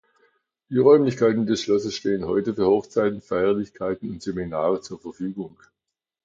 Die Räumlichkeiten des Schlosses stehen heute für Hochzeiten, Feierlichkeiten und Seminare zur Verfügung.